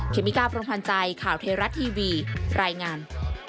เมกาพรมพันธ์ใจข่าวเทราะทีวีรายงาน